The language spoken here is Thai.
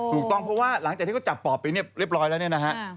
ถูกต้องเพราะว่าหลังจากที่เขาจับปอบไปเรียบร้อยแล้วเนี่ยนะฮะ